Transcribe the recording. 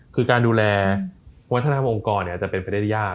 คือการดูแลวัฒนธรรมองค์กรจะเป็นไปได้ยาก